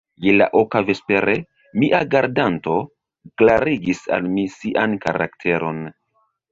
Je la oka vespere, mia gardanto klarigis al mi sian karakteron.